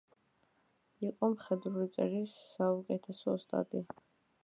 იყო მხედრული წერის საუკეთესო ოსტატი.